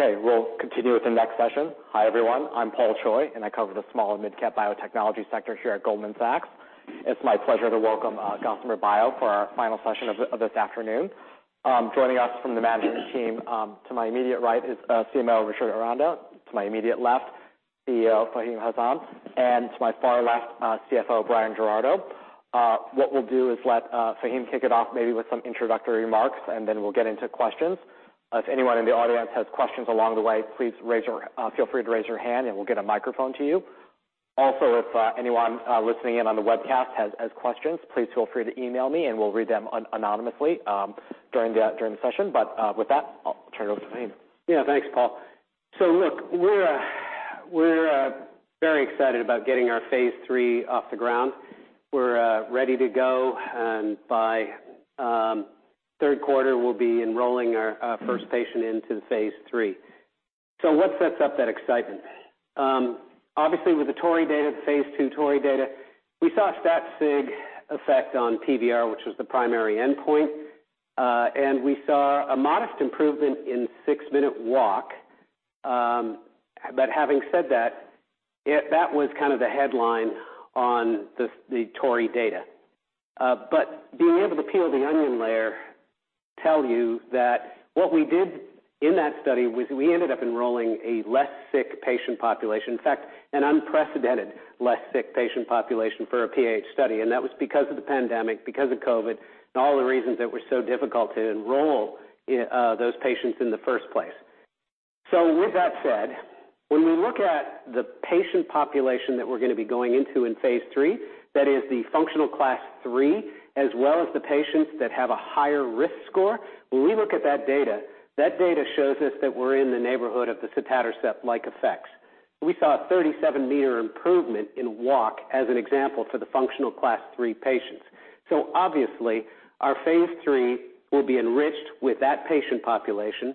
Okay, we'll continue with the next session. Hi, everyone. I'm Paul Choi. I cover the small and mid-cap biotechnology sector here at Goldman Sachs. It's my pleasure to welcome Gossamer Bio for our final session of this afternoon. Joining us from the management team, to my immediate right is CMO Richard Aranda, to my immediate left, CEO Faheem Hasnain. To my far left, CFO Bryan Giraudo. What we'll do is let Faheem kick it off, maybe with some introductory remarks. Then we'll get into questions. If anyone in the audience has questions along the way, please feel free to raise your hand. We'll get a microphone to you. Also, if anyone listening in on the webcast has questions, please feel free to email me, and we'll read them anonymously during the session. With that, I'll turn it over to Faheem. Yeah, thanks, Paul. Look, we're very excited about getting our phase III off the ground. We're ready to go, by 3rd quarter, we'll be enrolling our first patient into the phase III. What sets up that excitement? Obviously, with the TORREY data, phase 2 TORREY data, we saw a stat sig effect on PVR, which was the primary endpoint, we saw a modest improvement in six-minute walk. Having said that was kind of the headline on the TORREY data. Being able to peel the onion layer tell you that what we did in that study was we ended up enrolling a less sick patient population, in fact, an unprecedented less sick patient population for a PAH study. That was because of the pandemic, because of COVID, and all the reasons that were so difficult to enroll, those patients in the first place. With that said, when we look at the patient population that we're going to be going into in phase III, that is the Functional Class III, as well as the patients that have a higher risk score, when we look at that data, that data shows us that we're in the neighborhood of the sotatercept-like effects. We saw a 37 meter improvement in walk as an example for the Functional Class III patients. Obviously, our phase III will be enriched with that patient population.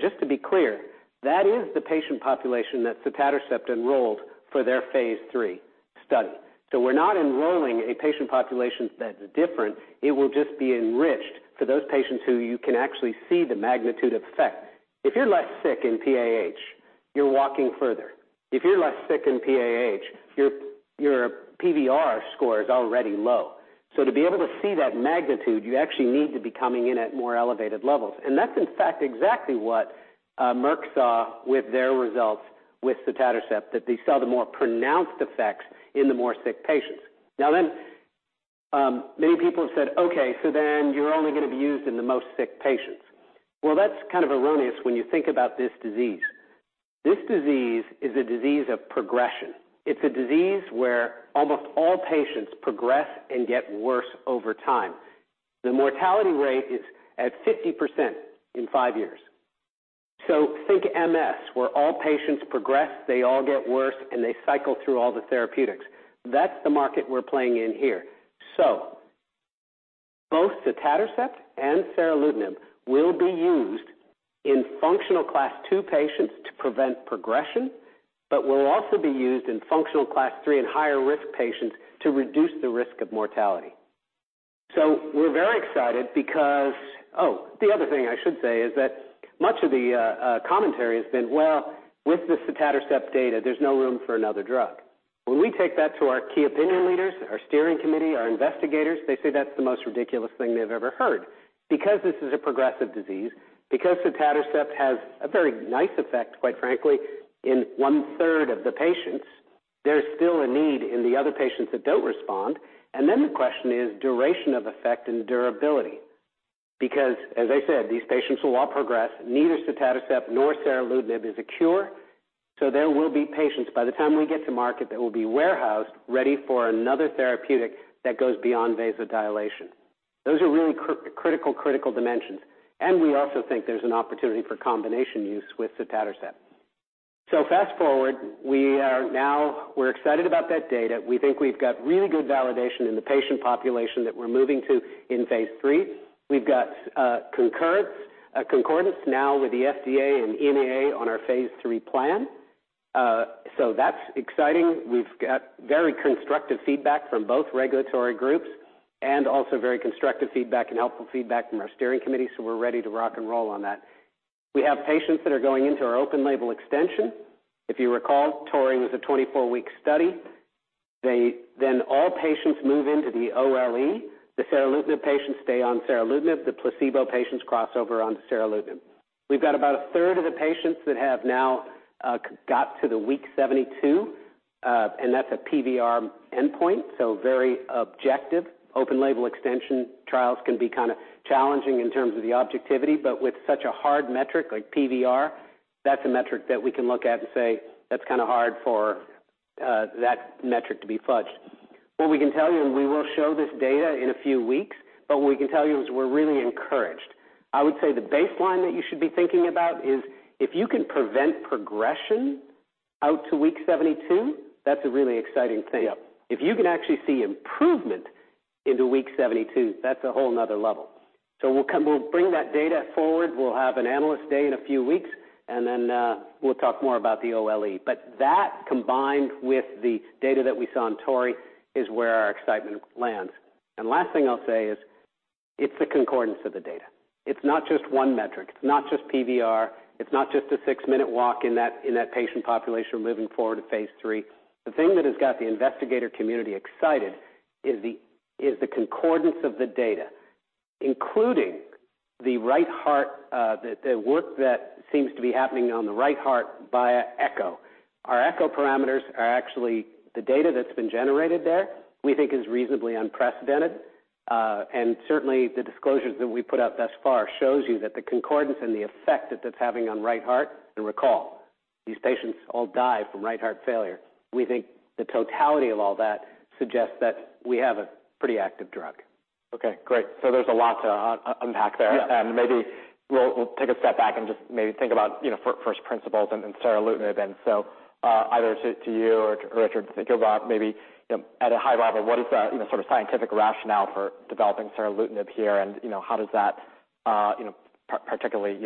Just to be clear, that is the patient population that sotatercept enrolled for their phase III study. We're not enrolling a patient population that's different, it will just be enriched for those patients who you can actually see the magnitude of effect. If you're less sick in PAH, you're walking further. If you're less sick in PAH, your PVR score is already low. To be able to see that magnitude, you actually need to be coming in at more elevated levels. That's, in fact, exactly what Merck saw with their results with sotatercept, that they saw the more pronounced effects in the more sick patients. Many people have said, "Okay, so then you're only going to be used in the most sick patients." Well, that's kind of erroneous when you think about this disease. This disease is a disease of progression. It's a disease where almost all patients progress and get worse over time. The mortality rate is at 50% in 5 years. Think MS, where all patients progress, they all get worse, and they cycle through all the therapeutics. That's the market we're playing in here. Both sotatercept and seralutinib will be used in Functional Class II patients to prevent progression, but will also be used in Functional Class III and higher-risk patients to reduce the risk of mortality. We're very excited because. The other thing I should say is that much of the commentary has been, "Well, with the sotatercept data, there's no room for another drug." When we take that to our key opinion leaders, our steering committee, our investigators, they say that's the most ridiculous thing they've ever heard. This is a progressive disease, because sotatercept has a very nice effect, quite frankly, in 1/3 of the patients, there's still a need in the other patients that don't respond. The question is duration of effect and durability. As I said, these patients will all progress. Neither sotatercept nor seralutinib is a cure, so there will be patients, by the time we get to market, that will be warehoused, ready for another therapeutic that goes beyond vasodilation. Those are really critical dimensions, and we also think there's an opportunity for combination use with sotatercept. Fast-forward, we're excited about that data. We think we've got really good validation in the patient population that we're moving to in phase 3. We've got concurrence, concordance now with the FDA and EMA on our phase III plan. That's exciting. We've got very constructive feedback from both regulatory groups and also very constructive feedback and helpful feedback from our steering committee, so we're ready to rock and roll on that. We have patients that are going into our open-label extension. If you recall, TORREY was a 24-week study. All patients move into the OLE. The seralutinib patients stay on seralutinib, the placebo patients cross over on seralutinib. We've got about a third of the patients that have now got to the week 72, and that's a PVR endpoint, so very objective. Open-label extension trials can be kind of challenging in terms of the objectivity, but with such a hard metric like PVR, that's a metric that we can look at and say, "That's kind of hard for that metric to be fudged." What we can tell you, and we will show this data in a few weeks, but what we can tell you is we're really encouraged. I would say the baseline that you should be thinking about is if you can prevent progression out to week 72, that's a really exciting thing. If you can actually see improvement into week 72, that's a whole another level. We'll bring that data forward. We'll have an analyst day in a few weeks. We'll talk more about the OLE. That, combined with the data that we saw on TORREY, is where our excitement lands. Last thing I'll say is, it's the concordance of the data. It's not just one metric, it's not just PVR, it's not just a six-minute walk in that patient population moving forward to phase III. The thing that has got the investigator community excited is the concordance of the data, including the right heart, the work that seems to be happening on the right heart via echo. Our echo parameters are actually the data that's been generated there, we think is reasonably unprecedented. Certainly, the disclosures that we put out thus far shows you that the concordance and the effect that that's having on right heart, and recall, these patients all die from right heart failure. We think the totality of all that suggests that we have a pretty active drug. Okay, great. There's a lot to unpack there. Yeah. Maybe we'll take a step back and just maybe think about, you know, first principles and seralutinib. Either to you or Richard, think about maybe, you know, at a high level, what is the, you know, sort of scientific rationale for developing seralutinib here? How does that, you know, particularly,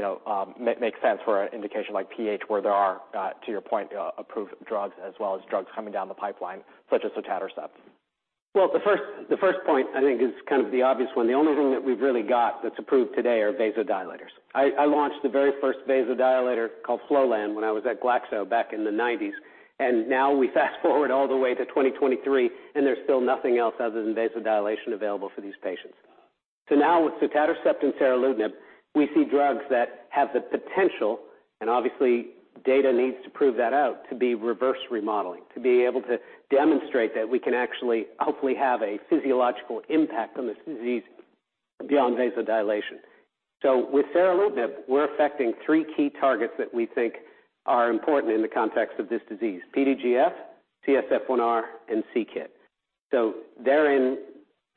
make sense for an indication like PH, where there are, to your point, approved drugs as well as drugs coming down the pipeline, such as sotatercept? Well, the first point I think is kind of the obvious one. The only thing that we've really got that's approved today are vasodilators. I launched the very first vasodilator called Flolan when I was at Glaxo back in the nineties. Now we fast forward all the way to 2023, and there's still nothing else other than vasodilation available for these patients. Now with sotatercept and seralutinib, we see drugs that have the potential, and obviously, data needs to prove that out, to be reverse remodeling, to be able to demonstrate that we can actually hopefully have a physiological impact on this disease beyond vasodilation. With seralutinib, we're affecting three key targets that we think are important in the context of this disease: PDGF, CSF1R, and c-Kit. Therein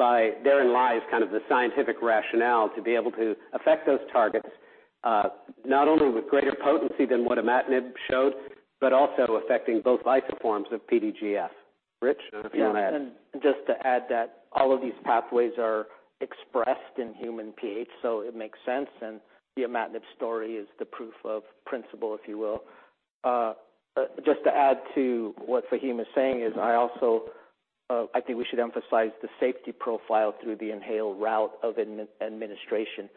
lies kind of the scientific rationale to be able to affect those targets, not only with greater potency than what imatinib showed, but also affecting both isoforms of PDGF. Rich, if you want to add. Yeah, just to add that all of these pathways are expressed in human PH, so it makes sense, and the imatinib story is the proof of principle, if you will. Just to add to what Faheem is saying is, I also think we should emphasize the safety profile through the inhaled route of administration,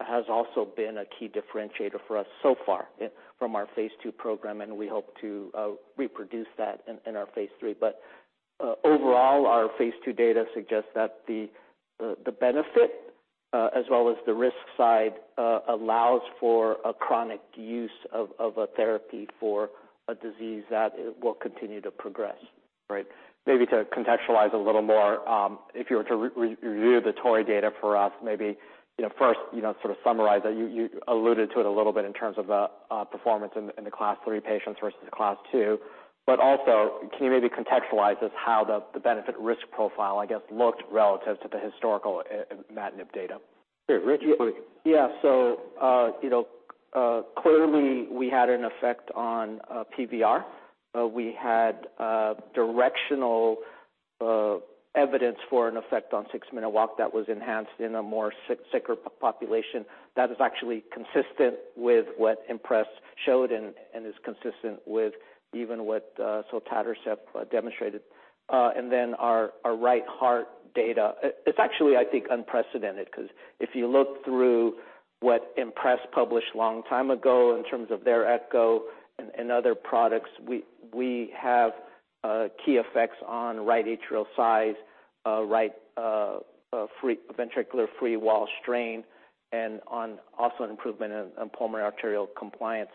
has also been a key differentiator for us so far from our phase II program, and we hope to reproduce that in our phase III. Overall, our phase II data suggests that the benefit as well as the risk side allows for a chronic use of a therapy for a disease that will continue to progress. Right. Maybe to contextualize a little more, if you were to review the TORREY data for us, maybe, you know, first, you know, sort of summarize that you alluded to it a little bit in terms of the performance in the Class III patients versus Class II. Also, can you maybe contextualize as how the benefit risk profile, I guess, looked relative to the historical imatinib data? Sure. Rich? You know, clearly we had an effect on PVR. We had directional evidence for an effect on six-minute walk that was enhanced in a more sicker population. That is actually consistent with what IMPRESS showed and is consistent with even what sotatercept demonstrated. Then our right heart data. It's actually, I think, unprecedented, 'cause if you look through what IMPRESS published a long time ago in terms of their echo and other products, we have key effects on right atrial size, right ventricular free wall strain, and on also improvement in pulmonary arterial compliance.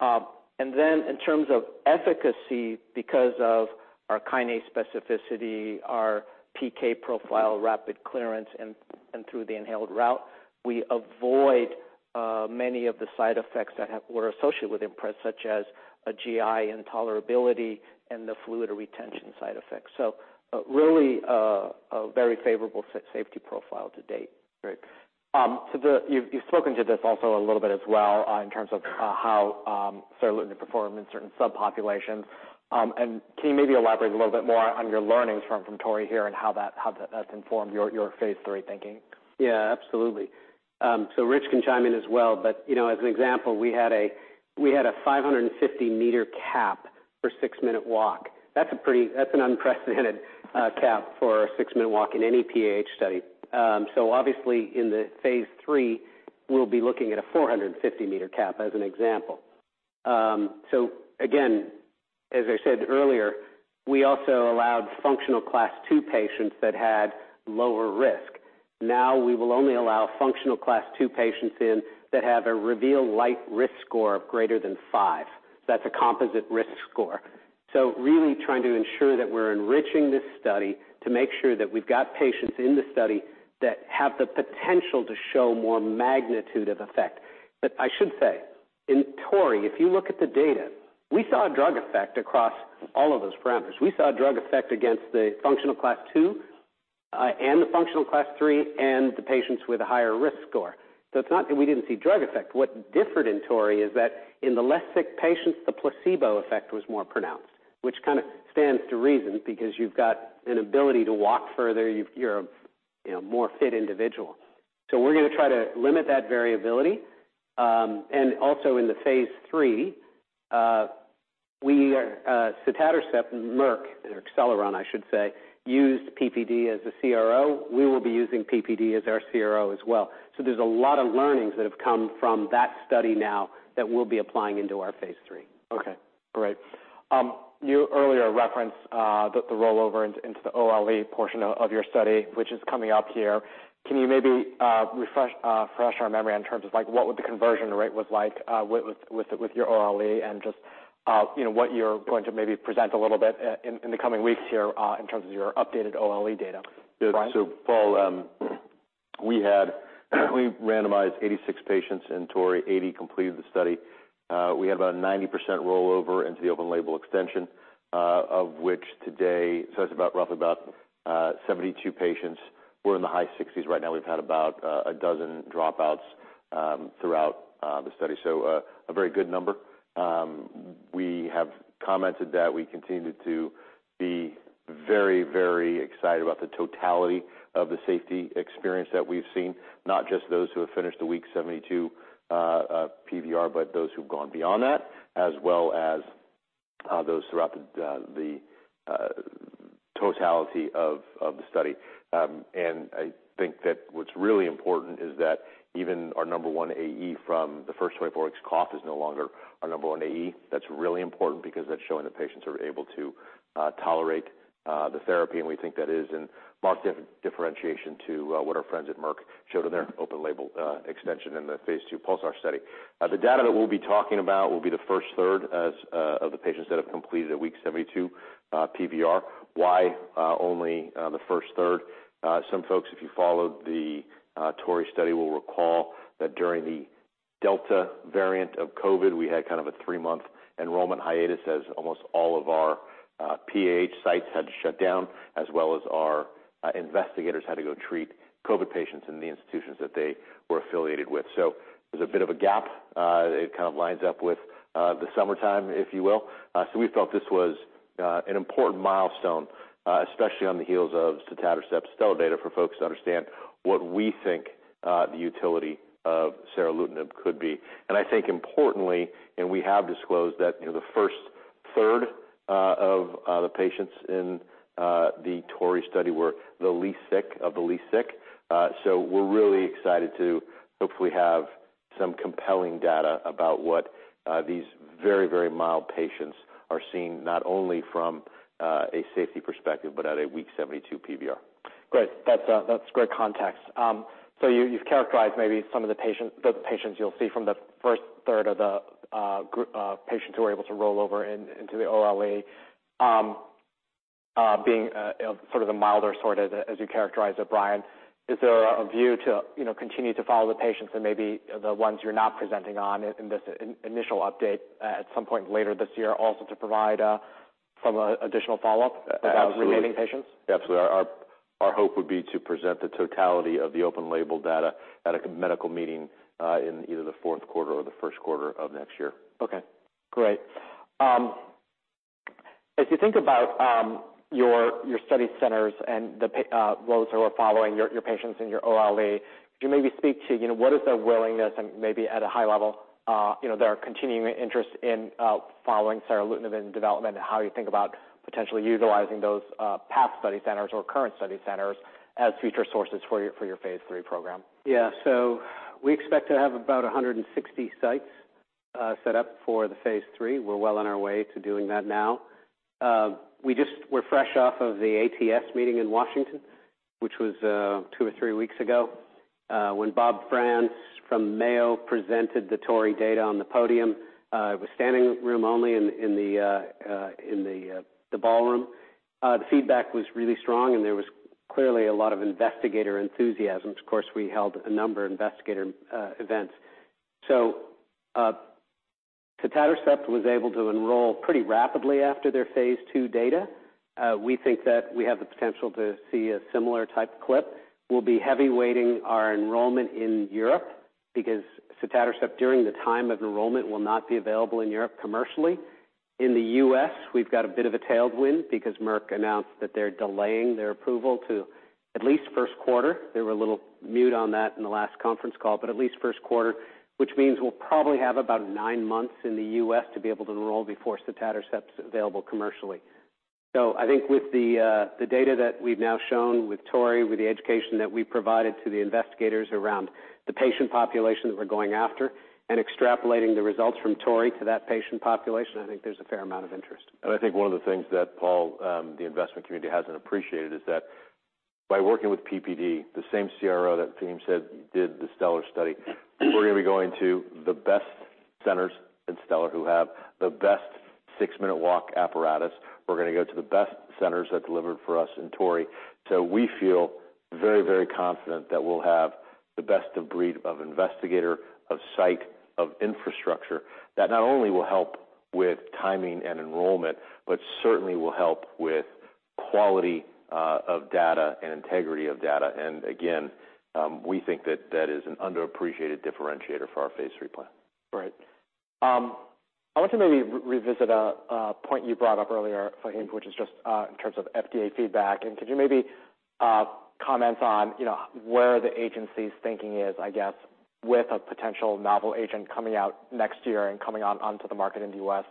In terms of efficacy, because of our kinase specificity, our PK profile, rapid clearance, and through the inhaled route, we avoid many of the side effects that were associated with IMPRESS, such as a GI intolerability and the fluid retention side effects. Really, a very favorable safety profile to date. Great. You've spoken to this also a little bit as well, in terms of how seralutinib performed in certain subpopulations. Can you maybe elaborate a little bit more on your learnings from TORREY here and how that's informed your phase III thinking? Yeah, absolutely. Rich can chime in as well, but you know, as an example, we had a 550 meter cap for six-minute walk. That's a pretty unprecedented cap for a six-minute walk in any PH study. Obviously in the phase III, we'll be looking at a 450 meter cap as an example. Again, as I said earlier, we also allowed Functional Class II patients that had lower risk. Now, we will only allow Functional Class II patients in that have a REVEAL Lite 2 risk score of greater than 5. That's a composite risk score. Really trying to ensure that we're enriching this study to make sure that we've got patients in the study that have the potential to show more magnitude of effect. I should say, in TORREY, if you look at the data, we saw a drug effect across all of those parameters. We saw a drug effect against the Functional Class II and the Functional Class III and the patients with a higher risk score. It's not that we didn't see drug effect. What differed in TORREY is that in the less sick patients, the placebo effect was more pronounced, which kind of stands to reason because you've got an ability to walk further, you're a, you know, more fit individual. We're gonna try to limit that variability. Also in the Phase 3. We, sotatercept, Merck or Acceleron, I should say, used PPD as a CRO. We will be using PPD as our CRO as well. There's a lot of learnings that have come from that study now that we'll be applying into our phase III. Okay, great. You earlier referenced the rollover into the OLE portion of your study, which is coming up here. Can you maybe refresh our memory in terms of like, what would the conversion rate was like with your OLE and just, you know, what you're going to maybe present a little bit in the coming weeks here in terms of your updated OLE data? Bryan. Paul, we randomized 86 patients in TORREY, 80 completed the study. We had about 90% rollover into the open-label extension, of which today... That's about roughly about 72 patients. We're in the high 60s right now. We've had about a dozen dropouts throughout the study. A very good number. We have commented that we continue to be very, very excited about the totality of the safety experience that we've seen, not just those who have finished the week 72 PVR, but those who've gone beyond that, as well as those throughout the totality of the study. I think that what's really important is that even our number one AE from the first 24 weeks cough is no longer our number one AE. That's really important because that's showing that patients are able to tolerate the therapy, and we think that is in marked differentiation to what our friends at Merck showed in their open-label extension in the phase II PULSAR study. The data that we'll be talking about will be the first third as of the patients that have completed a week 72 PVR. Why only the first third? Some folks, if you followed the TORREY study, will recall that during the Delta variant of COVID, we had kind of a 3-month enrollment hiatus as almost all of our PH sites had to shut down, as well as our investigators had to go treat COVID patients in the institutions that they were affiliated with. There's a bit of a gap. It kind of lines up with the summertime, if you will. So we felt this was an important milestone, especially on the heels of sotatercept's STELLAR data for folks to understand what we think the utility of seralutinib could be. I think importantly, and we have disclosed that, you know, the first third of the patients in the TORREY study were the least sick, of the least sick. So we're really excited to hopefully have some compelling data about what these very, very mild patients are seeing, not only from a safety perspective, but at a week 72 PVR. Great. That's great context. You, you've characterized maybe some of the patients you'll see from the first third of the patients who were able to roll over into the OLE, being sort of the milder sort, as you characterized it, Bryan. Is there a view to, you know, continue to follow the patients and maybe the ones you're not presenting on in this initial update at some point later this year, also to provide some additional follow-up? Absolutely. For the remaining patients? Absolutely. Our hope would be to present the totality of the open-label data at a medical meeting, in either the fourth quarter or the first quarter of next year. Okay, great. As you think about your study centers and those who are following your patients in your OLE, could you maybe speak to, you know, what is the willingness and maybe at a high level, you know, their continuing interest in following seralutinib in development, and how you think about potentially utilizing those past study centers or current study centers as future sources for your, for your phase III program? We expect to have about 160 sites set up for the phase III. We're well on our way to doing that now. We're fresh off of the ATS meeting in Washington, which was 2 or 3 weeks ago, when Robert Frantz from Mayo Clinic presented the TORREY data on the podium. It was standing room only in the ballroom. The feedback was really strong, there was clearly a lot of investigator enthusiasm. Of course, we held a number of investigator events. Sotatercept was able to enroll pretty rapidly after their phase II data. We think that we have the potential to see a similar type clip. We'll be heavy weighting our enrollment in Europe because sotatercept, during the time of enrollment, will not be available in Europe commercially. In the U.S., we've got a bit of a tailwind because Merck announced that they're delaying their approval to at least first quarter. They were a little mute on that in the last conference call, but at least first quarter, which means we'll probably have about 9 months in the U.S. to be able to enroll before sotatercept's available commercially. I think with the data that we've now shown with TORREY, with the education that we provided to the investigators around the patient population that we're going after, and extrapolating the results from TORREY to that patient population, I think there's a fair amount of interest. I think one of the things that, Paul, the investment community hasn't appreciated is that by working with PPD, the same CRO that Faheem said did the STELLAR study, we're gonna be going to the best centers in STELLAR, who have the best 6-minute walk apparatus. We're gonna go to the best centers that delivered for us in TORREY. We feel very, very confident that we'll have the best of breed of investigator, of site, of infrastructure, that not only will help with timing and enrollment, but certainly will help with quality of data and integrity of data. Again, we think that that is an underappreciated differentiator for our phase III plan. Right. I want to maybe revisit a point you brought up earlier, Faheem, which is just in terms of FDA feedback. Could you comments on, you know, where the agency's thinking is, I guess, with a potential novel agent coming out next year and coming on the market in the U.S.,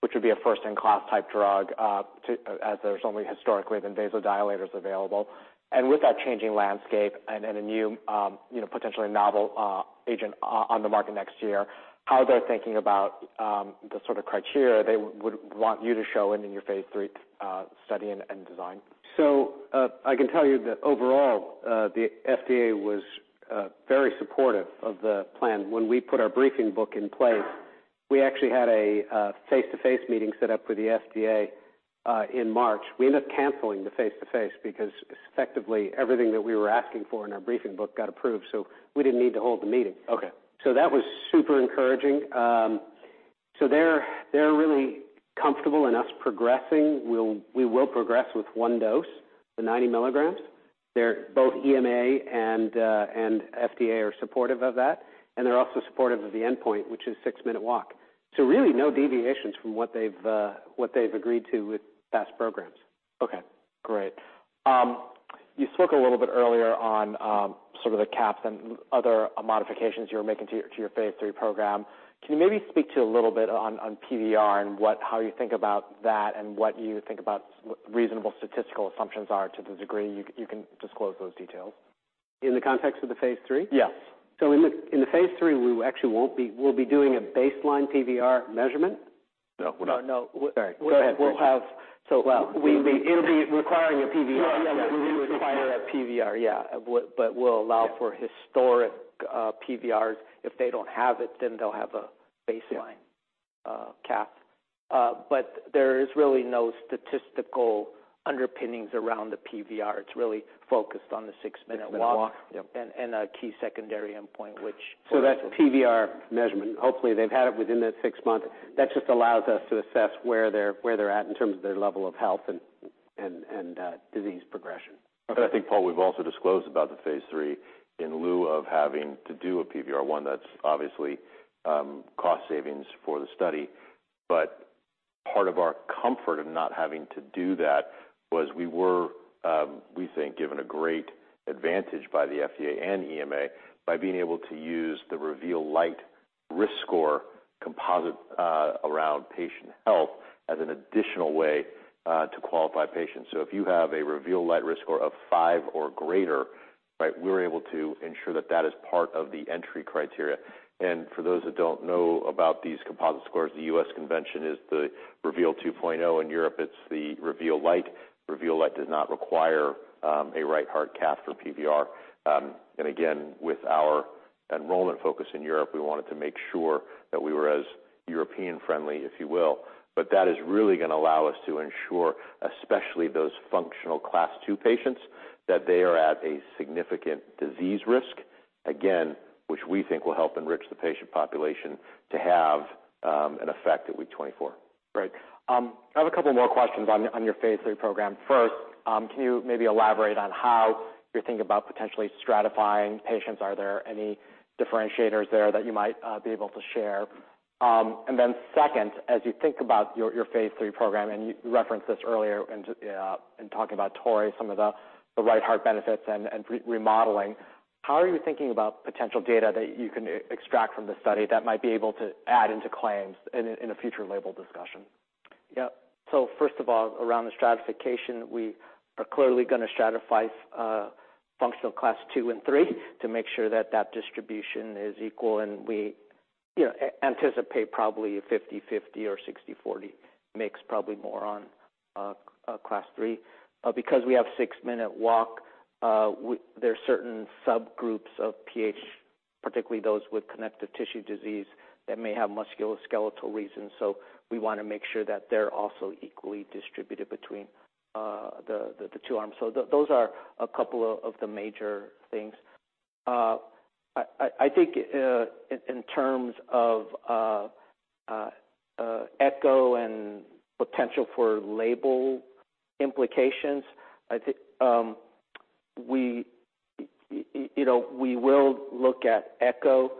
which would be a first-in-class type drug, to, as there's only historically been vasodilators available? With that changing landscape and a new, you know, potentially novel agent on the market next year, how they're thinking about the sort of criteria they would want you to show in your phase III study and design? I can tell you that overall, the FDA was very supportive of the plan. When we put our briefing book in place, we actually had a face-to-face meeting set up with the FDA in March. We ended up canceling the face-to-face because effectively everything that we were asking for in our briefing book got approved, so we didn't need to hold the meeting. Okay. That was super encouraging. They're really comfortable in us progressing. We will progress with one dose, the 90 mg. They're both EMA and FDA are supportive of that, and they're also supportive of the endpoint, which is six-minute walk. Really no deviations from what they've, what they've agreed to with past programs. Okay, great. You spoke a little bit earlier on, sort of the caps and other modifications you're making to your, to your phase III program. Can you maybe speak to a little bit on PVR and how you think about that and what you think about what reasonable statistical assumptions are to the degree you can disclose those details? In the context of the phase III? Yeah. In the phase III, we actually We'll be doing a baseline PVR measurement. No, we're not. No, no. Sorry, go ahead. Well, it'll be requiring a PVR. Yeah, we require a PVR. We'll allow for historic PVRs. If they don't have it, then they'll have a baseline-. Yeah Cap. There is really no statistical underpinnings around the PVR. It's really focused on the six-minute walk. Six-minute walk. Yep. A key secondary endpoint. That's PVR measurement. Hopefully, they've had it within that six months. That just allows us to assess where they're at in terms of their level of health and disease progression. I think, Paul, we've also disclosed about the phase III, in lieu of having to do a PVR one, that's obviously, cost savings for the study. Part of our comfort of not having to do that was we were, we think, given a great advantage by the FDA and EMA by being able to use the REVEAL Lite risk score composite, around patient health as an additional way, to qualify patients. If you have a REVEAL Lite risk score of five or greater, right, we were able to ensure that that is part of the entry criteria. For those that don't know about these composite scores, the U.S. convention is the REVEAL 2.0. In Europe, it's the REVEAL Lite. REVEAL Lite does not require, a right heart cath or PVR. Again, with our enrollment focus in Europe, we wanted to make sure that we were as European friendly, if you will. That is really going to allow us to ensure, especially those Functional Class II patients, that they are at a significant disease risk, again, which we think will help enrich the patient population to have an effect at week 24. Great. I have a couple more questions on your phase III program. First, can you maybe elaborate on how you're thinking about potentially stratifying patients? Are there any differentiators there that you might be able to share? Second, as you think about your phase III program, and you referenced this earlier in talking about TORREY, some of the right heart benefits and, remodeling, how are you thinking about potential data that you can extract from the study that might be able to add into claims in a, in a future label discussion? Yep. First of all, around the stratification, we are clearly going to stratify Functional Class II and III to make sure that that distribution is equal, and we, you know, anticipate probably a 50/50 or 60/40 mix, probably more on Class III. Because we have 6-minute walk, there are certain subgroups of PH, particularly those with connective tissue disease, that may have musculoskeletal reasons. We want to make sure that they're also equally distributed between the two arms. Those are a couple of the major things. I think, in terms of echo and potential for label implications, I think, you know, we will look at echo.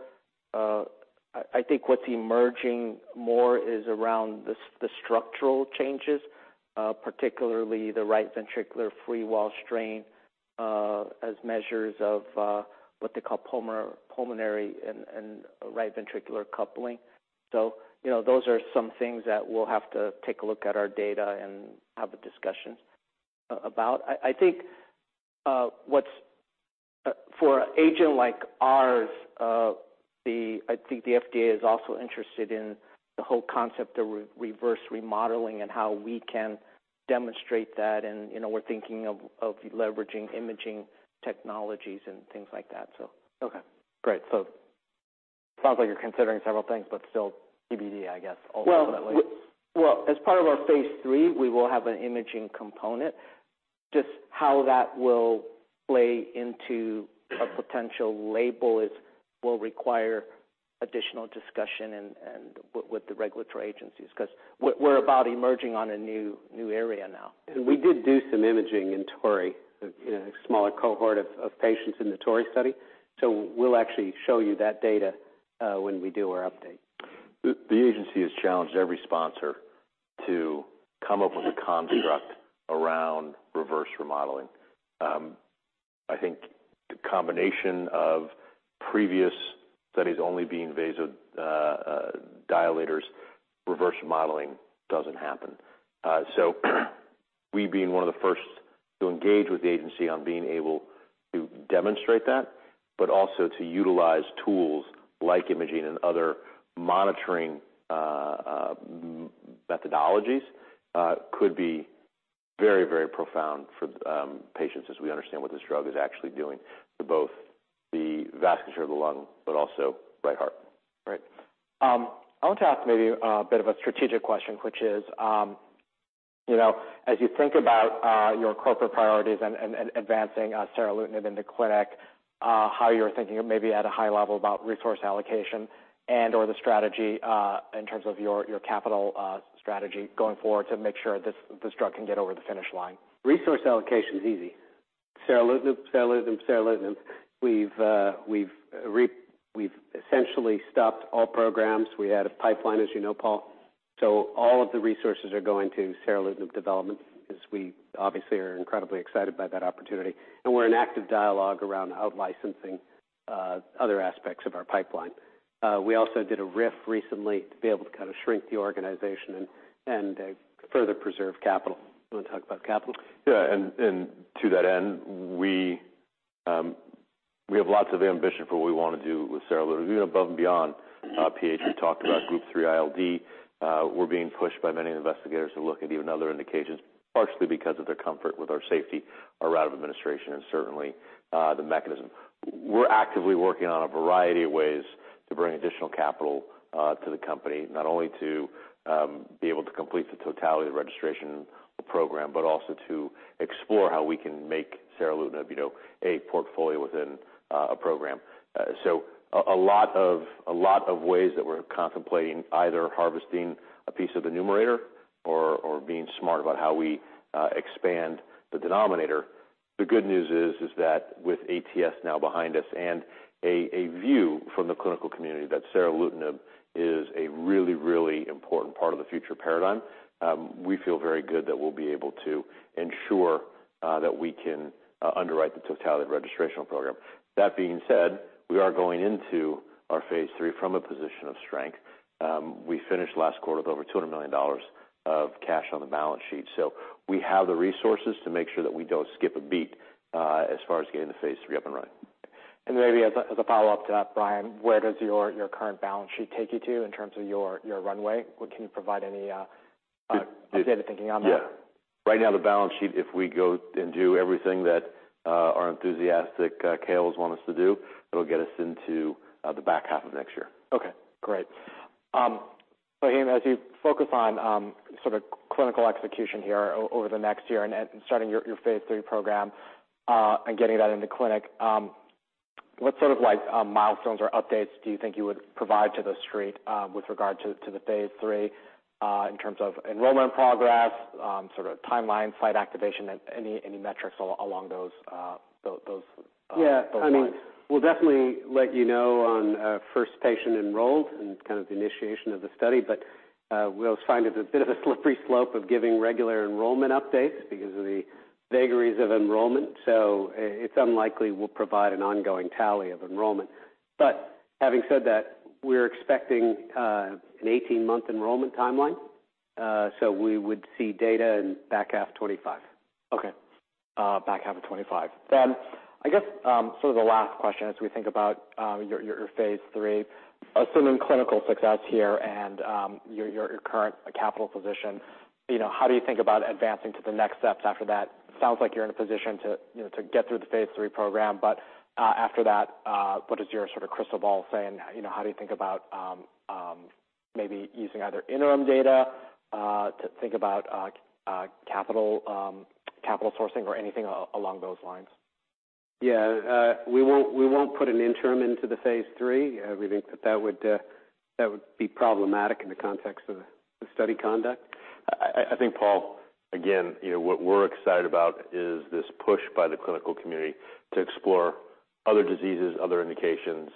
I think what's emerging more is around the structural changes, particularly the right ventricular free wall strain, as measures of what they call pulmonary and right ventricular coupling. You know, those are some things that we'll have to take a look at our data and have a discussion about. I think what's for an agent like ours, I think the FDA is also interested in the whole concept of reverse remodeling and how we can demonstrate that. You know, we're thinking of leveraging imaging technologies and things like that, so. Okay, great. Sounds like you're considering several things, but still TBD, I guess, ultimately. Well, as part of our phase III, we will have an imaging component. Just how that will play into a potential label is, will require additional discussion and with the regulatory agencies, because we're about emerging on a new area now. We did do some imaging in TORREY, in a smaller cohort of patients in the TORREY study. We'll actually show you that data when we do our update. The agency has challenged every sponsor to come up with a construct around reverse remodeling. I think the combination of previous studies only being vasodilators, reverse remodeling doesn't happen. We being one of the first to engage with the agency on being able to demonstrate that, but also to utilize tools like imaging and other monitoring methodologies, could be very, very profound for patients as we understand what this drug is actually doing to both the vasculature of the lung, but also right heart. Right. I want to ask maybe a bit of a strategic question, which is, you know, as you think about your corporate priorities and advancing seralutinib in the clinic, how you're thinking of maybe at a high level about resource allocation and, or the strategy, in terms of your capital strategy going forward to make sure this drug can get over the finish line? Resource allocation is easy. Seralutinib, seralutinib. We've essentially stopped all programs. We had a pipeline, as you know, Paul, All of the resources are going to seralutinib development, as we obviously are incredibly excited by that opportunity, and we're in active dialogue around out licensing, other aspects of our pipeline. We also did a RIF recently to be able to kind of shrink the organization and further preserve capital. You want to talk about capital? Yeah, to that end, we have lots of ambition for what we want to do with seralutinib. Even above and beyond PH, we talked about Group three ILD. We're being pushed by many investigators to look at even other indications, partially because of their comfort with our safety, our route of administration, and certainly the mechanism. We're actively working on a variety of ways to bring additional capital to the company. Not only to be able to complete the totality of the registration program, but also to explore how we can make seralutinib, you know, a portfolio within a program. A lot of ways that we're contemplating either harvesting a piece of the numerator or being smart about how we expand the denominator. The good news is that with ATS now behind us and a view from the clinical community that seralutinib is a really, really important part of the future paradigm, we feel very good that we'll be able to ensure that we can underwrite the totality of registrational program. That being said, we are going into our phase III from a position of strength. We finished last quarter with over $200 million of cash on the balance sheet, so we have the resources to make sure that we don't skip a beat as far as getting the phase III up and running. Maybe as a follow-up to that, Bryan, where does your current balance sheet take you to in terms of your runway? Well, can you provide any? Yeah. update of thinking on that? Right now, the balance sheet, if we go and do everything that our enthusiastic KOLs want us to do, it'll get us into the back half of next year. Okay, great. Faheem, as you focus on sort of clinical execution here over the next year and starting your phase III program, and getting that into clinic, what sort of like milestones or updates do you think you would provide to the street with regard to the phase III in terms of enrollment progress, sort of timeline, site activation, any metrics along those those lines? Yeah, I mean, we'll definitely let you know on, first patient enrolled and kind of the initiation of the study. We also find it's a bit of a slippery slope of giving regular enrollment updates because of the vagaries of enrollment, so it's unlikely we'll provide an ongoing tally of enrollment. Having said that, we're expecting an 18-month enrollment timeline, so we would see data in back half 2025. Okay, back half of 25. I guess, sort of the last question as we think about, your phase III, assuming clinical success here and, your current capital position, you know, how do you think about advancing to the next steps after that? Sounds like you're in a position to, you know, to get through the phase III program, but after that, what is your sort of crystal ball saying? You know, how do you think about, maybe using either interim data, to think about, capital sourcing or anything along those lines? We won't put an interim into the phase III. We think that that would be problematic in the context of the study conduct. I think, Paul, again, you know, what we're excited about is this push by the clinical community to explore other diseases, other indications.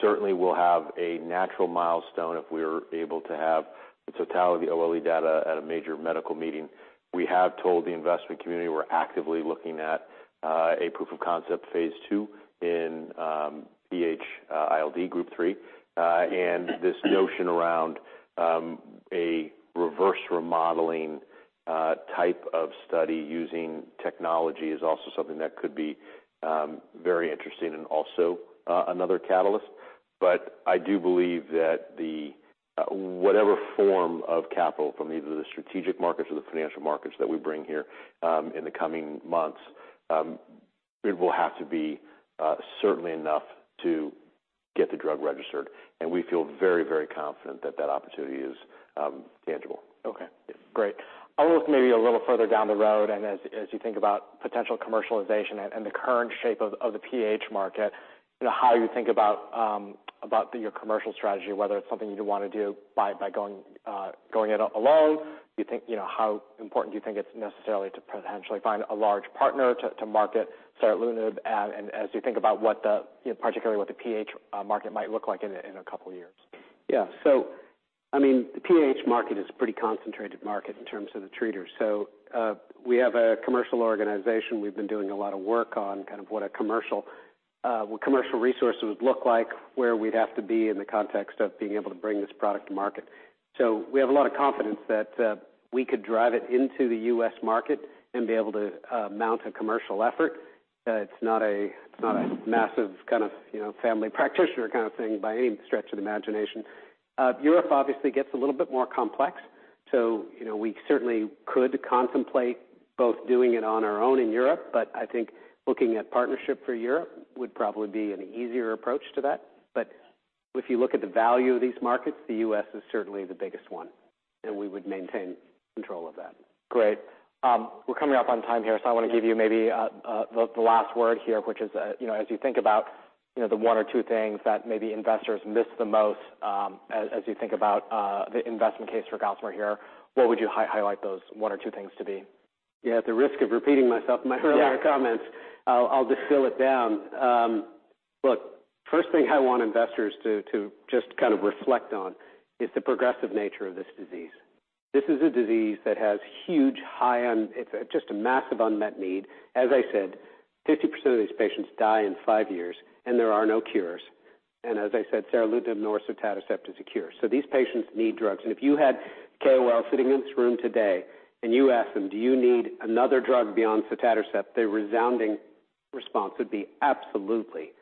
Certainly, we'll have a natural milestone if we're able to have the totality of the OLE data at a major medical meeting. We have told the investment community we're actively looking at a proof of concept phase II in PH-ILD Group three. This notion around a reverse remodeling type of study using technology is also something that could be very interesting and also another catalyst. I do believe that the whatever form of capital from either the strategic markets or the financial markets that we bring here in the coming months it will have to be certainly enough to get the drug registered, and we feel very, very confident that that opportunity is tangible. Okay, great. I'll look maybe a little further down the road as you think about potential commercialization and the current shape of the PH market, you know, how you think about the, your commercial strategy, whether it's something you'd want to do by going it alone? Do you think, you know, how important do you think it's necessarily to potentially find a large partner to market seralutinib? As you think about what the, particularly what the PH market might look like in two years. Yeah. I mean, the PH market is a pretty concentrated market in terms of the treaters. We have a commercial organization. We've been doing a lot of work on kind of what a commercial, what commercial resources would look like, where we'd have to be in the context of being able to bring this product to market. We have a lot of confidence that we could drive it into the U.S. market and be able to mount a commercial effort. It's not a, it's not a massive kind of, you know, family practitioner kind of thing by any stretch of the imagination. Europe obviously gets a little bit more complex, you know, we certainly could contemplate both doing it on our own in Europe, but I think looking at partnership for Europe would probably be an easier approach to that. If you look at the value of these markets, the U.S. is certainly the biggest one, and we would maintain control of that. Great. We're coming up on time here, so I want to give you maybe the last word here, which is, you know, as you think about, you know, the one or two things that maybe investors miss the most, as you think about the investment case for Gossamer Bio here, what would you highlight those one or two things to be? Yeah, at the risk of repeating myself, my earlier comments, I'll distill it down. Look, first thing I want investors to just kind of reflect on is the progressive nature of this disease. This is a disease that has huge, high, and it's just a massive unmet need. As I said, 50% of these patients die in 5 years, there are no cures. As I said, seralutinib nor sotatercept is a cure. These patients need drugs. If you had KOLs sitting in this room today and you ask them, "Do you need another drug beyond sotatercept?" Their resounding response would be, "Absolutely."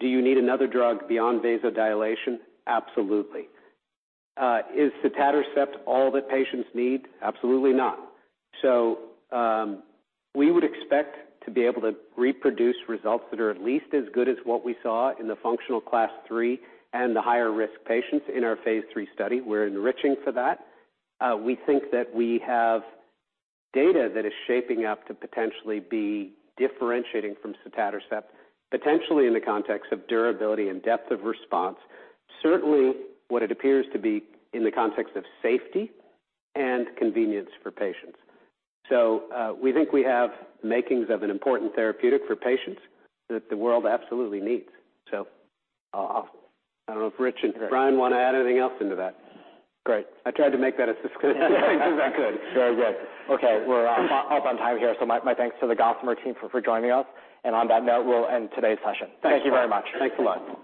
Do you need another drug beyond vasodilation? Absolutely. Is sotatercept all that patients need? Absolutely not. We would expect to be able to reproduce results that are at least as good as what we saw in the Functional Class III and the higher-risk patients in our phase III study. We're enriching for that. We think that we have data that is shaping up to potentially be differentiating from sotatercept, potentially in the context of durability and depth of response, certainly what it appears to be in the context of safety and convenience for patients. We think we have makings of an important therapeutic for patients that the world absolutely needs. I don't know if Rich and Bryan want to add anything else into that. Great. I tried to make that as concise as I could. Very good. Okay, we're up on time here, so my thanks to the Gossamer team for joining us. On that note, we'll end today's session. Thank you very much. Thanks a lot.